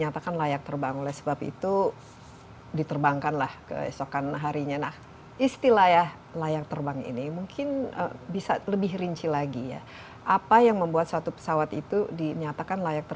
terima kasih pak